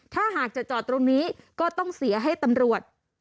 ถ้าหากจะจอดตรงนี้ก็ต้องเสียให้ตำรวจ